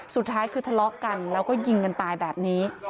สุดท้ายคือทะเลาะกันแล้วก็ยิงกันตายแบบนี้